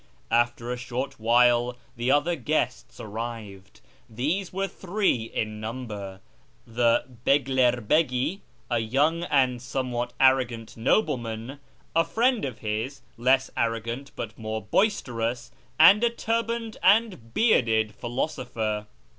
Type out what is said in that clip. After a short while the other guests arrived. These were three in number : the Bcglcr hegi, a young and somewhat arrogant nobleman ; a friend of his, less arrogant but more boisterous ; and a turbaned and bearded philosopher.